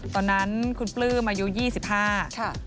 ตอนนั้นคุณปลื้มอายุ๒๕ค่ะ